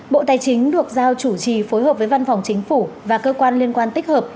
bộ tài chính được giao chủ trì phối hợp với văn phòng chính phủ và cơ quan liên quan tích hợp